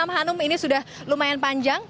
hanum ini sudah lumayan panjang